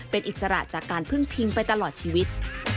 เป็นอิสระจากการพึ่งพิงไปตลอดชีวิต